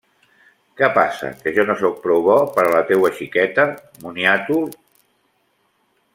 Què passa, que jo no sóc prou bo per a la teua xiqueta, moniato!?